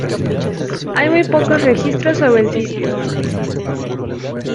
Hay muy pocos registros sobre el sitio.